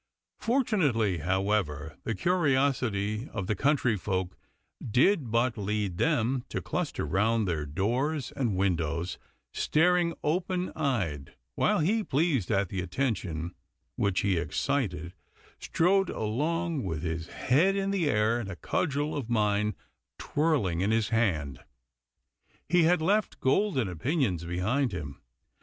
Fortunately, however, the curiosity of the country folk did but lead them to cluster round their doors and windows, staring open eyed, while he, pleased at the attention which he excited, strode along with his head in the air and a cudgel of mine twirling in his hand. He had left golden opinions behind him.